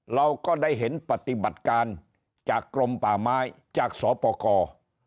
เราก็ได้เห็นปฏิบัติการจากกรมป่าไม้จากสปกร